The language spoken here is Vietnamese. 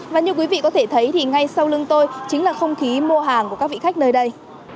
và như quý vị có thể thấy thì ngay sau lưng tôi chính là không khí mua hàng của các vị khách nơi đây